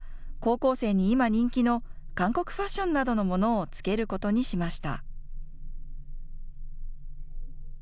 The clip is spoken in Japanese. ハッシュタグには高校生に今、人気の韓国ファッションなどのものをつけることにしました。